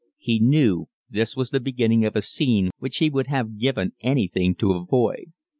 He knew this was the beginning of a scene which he would have given anything to avoid.